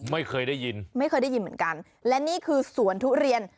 ไม่เคยได้ยินไม่เคยได้ยินเหมือนกันและนี่คือสวนทุเรียน